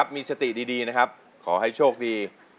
มีสติดีนะครับขอให้โชคดี